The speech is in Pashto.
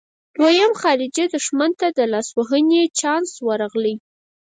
دویم خارجي دښمن ته د لاسوهنې چانس ورغلی.